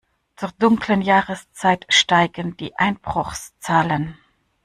Zur dunklen Jahreszeit steigen die Einbruchszahlen.